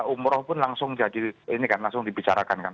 umroh pun langsung jadi ini kan langsung dibicarakan kan